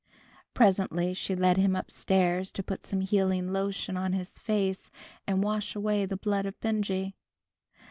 Presently she led him up stairs to put some healing lotion on his face, and wash away the blood of Benjy.